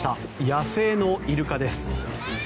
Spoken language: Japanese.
野生のイルカです。